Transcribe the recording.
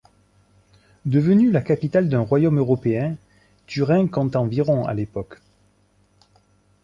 Devenue la capitale d'un royaume européen, Turin compte environ à l'époque.